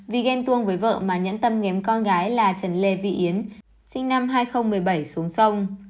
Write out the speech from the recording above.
vì ghen tuông với vợ mà nhẫn tâm nghém con gái là trần lê vị yến sinh năm hai nghìn một mươi bảy xuống sông